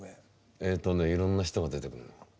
えっとねいろんな人が出てくるの。